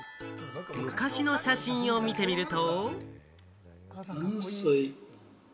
昔の写真を見てみると。